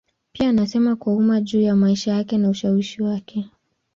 Pia anasema kwa umma juu ya maisha yake na ushawishi wake.